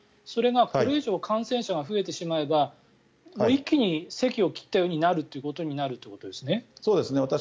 それがこれ以上感染者が増えてしまえばもう一気に堰を切ったようになるということですね。